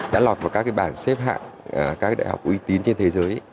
đã lọt vào các bảng xếp hạng các đại học uy tín trên thế giới